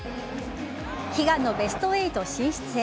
悲願のベスト８進出へ。